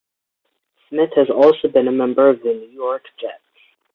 Smith has also been a member of the New York Jets.